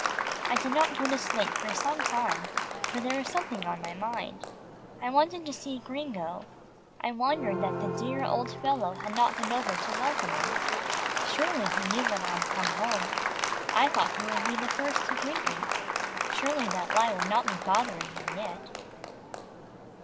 I did not go to sleep for some time, for there was something on my mind. I wanted to see Gringo. I wondered that the dear old fellow had not been over to welcome me. Surely he knew that I had come home. I thought he would be the first to greet me. Surely that lie would not be bothering him yet.